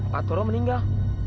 pak toro meninggal